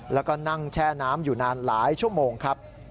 แล้วก็นั่งแช่น้ำอยู่นานหลายชั่วโมงครับ